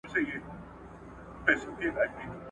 د ار غوان به، باندي یرغل وي !.